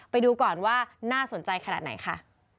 ไปดูก่อนว่าน่าสนใจขนาดไหนค่ะ